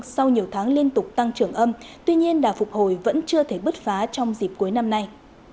sau nhiều tháng liên tục tăng trưởng âm tuy nhiên đà phục hồi vẫn chưa thể bứt phá trong dịp cuối năm nay